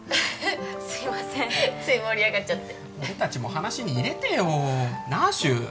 すいませんつい盛り上がっちゃって俺達も話に入れてよなあ柊？